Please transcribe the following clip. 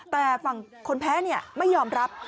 แต่ฝั่งคนแพ้ไม่ยอมรับ